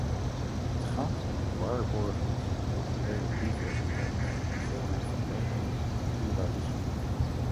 Het gaat om het waarborgen van culturele diversiteit, veelheid van meningen en pluralisme.